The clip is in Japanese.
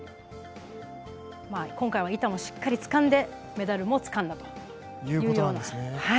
今回は板をしっかりつかんでメダルもつかんだというような。